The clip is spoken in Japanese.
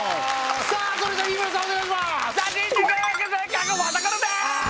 さあそれじゃ日村さんお願いします！